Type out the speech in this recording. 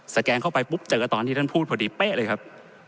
แกนเข้าไปปุ๊บเจอตอนที่ท่านพูดพอดีเป๊ะเลยครับ